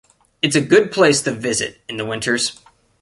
It's a good place to visit in the winters.